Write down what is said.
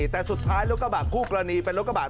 แต่สุดท้ายรถกระบะคู่กรณีเป็นรถกระบาด